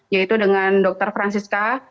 yaitu dengan dokter francisca